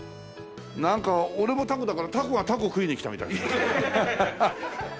なんか俺もたこだからたこがたこ食いに来たみたい。